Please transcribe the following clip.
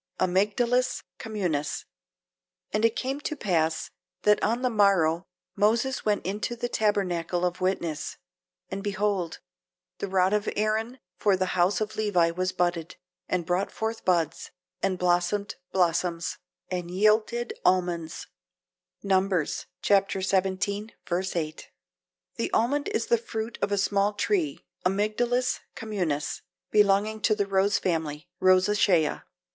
(Amygdalus communis L.) And it came to pass that on the morrow Moses went into the tabernacle of witness; and behold, the rod of Aaron for the house of Levi was budded, and brought forth buds, and blossomed blossoms, and yielded almonds. Numbers 17:8. The almond is the fruit of a small tree (Amygdalus communis) belonging to the Rose family (Rosaceae).